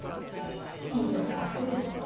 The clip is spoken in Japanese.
新記録達成ですよ。